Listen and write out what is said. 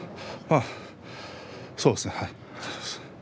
はい、そうですね。